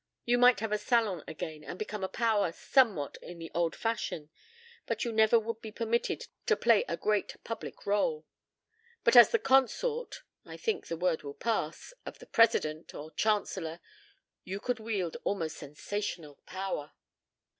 You might have a salon again and become a power somewhat in the old fashion, but you never would be permitted to play a great public rôle. But as the consort (I think the word will pass) of the President or Chancellor you could wield almost sensational power."